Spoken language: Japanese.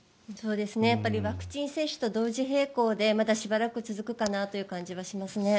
やっぱりワクチン接種と同時並行でまだしばらく続くかなという感じはしますね。